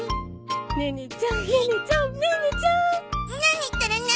ネネちゃんネネちゃんネネちゃん。何ったら何？